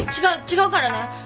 違うからね。